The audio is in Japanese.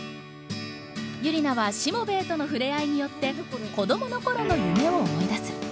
ユリナはしもべえとの触れ合いによって子どもの頃の夢を思い出す。